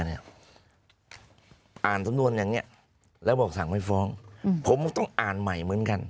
อ่านสำนวนอย่างนี้แล้วบอกสั่งไม่ฟ้องผมก็ต้องอ่านใหม่เหมือนกัน